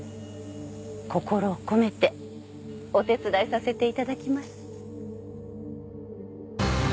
心を込めてお手伝いさせていただきます。